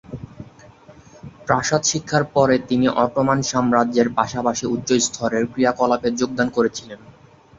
প্রাসাদ শিক্ষার পরে তিনি অটোমান সাম্রাজ্যের পাশাপাশি উচ্চ-স্তরের ক্রিয়াকলাপে যোগদান করেছিলেন।